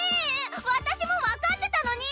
私も分かってたのに。